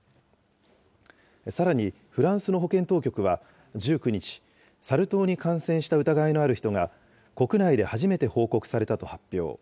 さらに、フランスの保健当局は１９日、サル痘に感染した疑いのある人が、国内で初めて報告されたと発表。